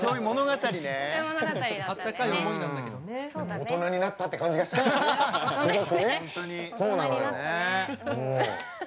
大人になったって感じがしちゃうわね。